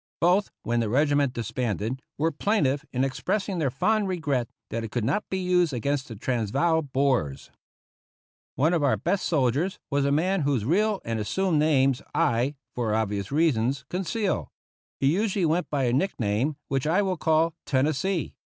Both, when the reg iment disbanded, were plaintive in expressing their fond regret that it could not be used against the Transvaal Boers ! One of our best soldiers was a man whose real and assumed names I, for obvious reasons con 43 THE ROUGH RIDERS ceal. He usually went by a nickname which I will call Tennessee.